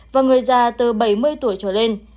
và người già từ bảy mươi tuổi trở lên